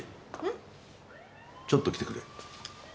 ん？ちょっと来てくれ。